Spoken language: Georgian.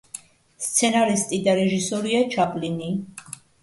სცენარისტი და რეჟისორია ჩაპლინი.